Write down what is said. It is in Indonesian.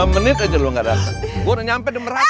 lima menit aja lo gak dateng gue udah nyampe di merata